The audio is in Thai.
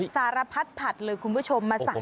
สารพัดผัดเลยคุณผู้ชมมาสั่ง